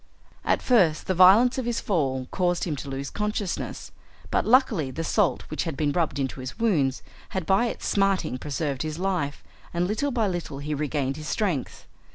At first the violence of his fall caused him to lose consciousness, but luckily the salt which had been rubbed into his wounds had by its smarting preserved his life, and little by little he regained his strength.